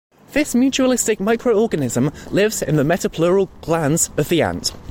This mutualistic micro-organism lives in the metapleural glands of the ant.